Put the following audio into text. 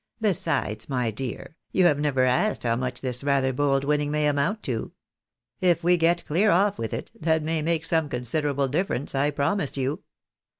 " Besides, my dear, you have never yet asked how much this rather bold winning may amount to. If we get clear off with it, that may make some considerable difference, I promise you."